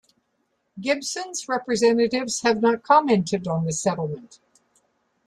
Gibson's representatives have not commented on the settlement.